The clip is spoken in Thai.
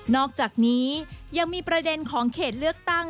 อกจากนี้ยังมีประเด็นของเขตเลือกตั้ง